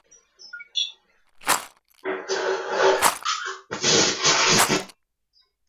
kobun katunisiet, kebwonii kip agenge kechob atindionyoo nebo kip agenge